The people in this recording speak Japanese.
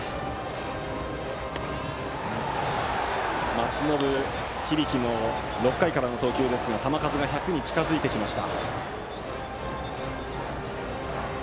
松延響も６回からの投球で球数が１００に近づいてきました。